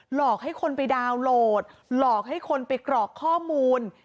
หลอกให้คนไปดาวน์โหลดหลอกให้คนไปกรอกข้อมูล